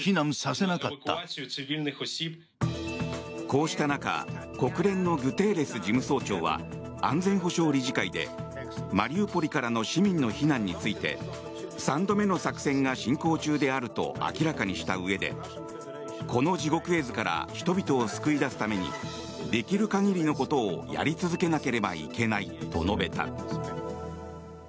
こうした中国連のグテーレス事務総長は安全保障理事会でマリウポリからの市民の避難について３度目の作戦が進行中であると明らかにしたうえでこの地獄絵図から人々を救い出すためにできる限りのことをやり続けなければいけないと述べた。